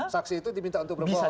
saksi itu diminta untuk berbohong